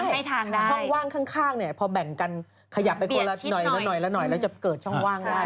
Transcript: ช่องว่างข้างเนี่ยพอแบ่งกันขยับไปคนละหน่อยแล้วจะเกิดช่องว่างได้